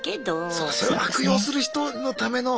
そうかそれを悪用する人のための。